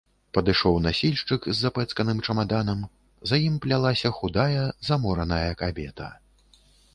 Падышоў насільшчык з запэцканым чамаданам, за ім плялася худая, замораная кабета.